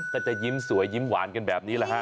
ก็จะยิ้มสวยยิ้มหวานกันแบบนี้แหละฮะ